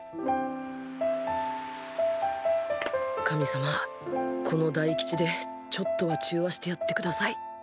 神様この大吉でちょっとは中和してやってください。